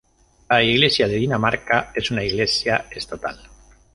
La Iglesia de Dinamarca es una Iglesia estatal.